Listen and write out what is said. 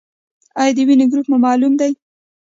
ایا د وینې ګروپ مو معلوم دی؟